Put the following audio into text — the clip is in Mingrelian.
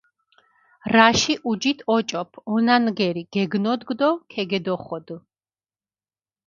რაში ჸუჯით ოჭოფჷ, ონანგერი გეგნოდგჷ დო ქეგედოხოდჷ.